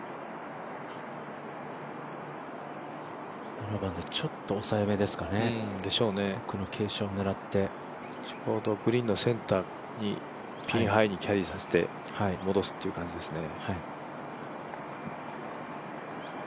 ７番でちょっと抑えめですかね、ちょうどグリーンのセンターにピンハイにキャリーさせて戻すという感じですね。